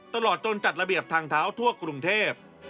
ตลอดจนจัดระเบียบทางเท้าทั่วกรุงเทพ